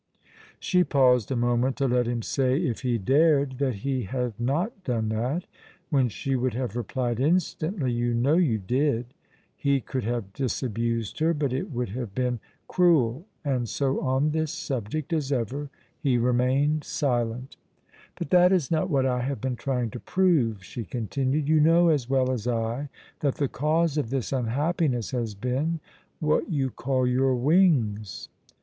She paused a moment to let him say, if he dared, that he had not done that, when she would have replied instantly, "You know you did." He could have disabused her, but it would have been cruel, and so on this subject, as ever, he remained silent. "But that is not what I have been trying to prove," she continued. "You know as well as I that the cause of this unhappiness has been what you call your wings."